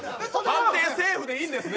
判定セーフでいいんですね。